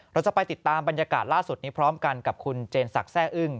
เราจะไปติดตามบรรยากาศล่าสุดนี้พร้อมกันกับคุณเจนศักดิ์แซ่อึ้ง